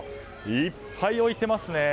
いっぱい置いていますね。